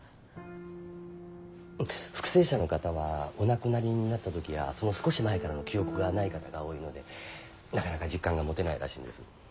復生者の方はお亡くなりになった時やその少し前からの記憶がない方が多いのでなかなか実感が持てないらしいんです。